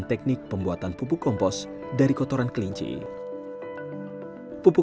akibatnya ketersediaan sayuran hijau segar masyarakat pulau sangat bergantung pada pasokan dari daratan